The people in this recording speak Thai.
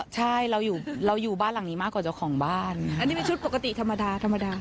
จะเป็นยังไงไปดูหน่อยครับ